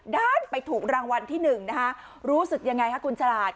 ด้านไปถูกรางวัลที่หนึ่งนะคะรู้สึกยังไงคะคุณฉลาด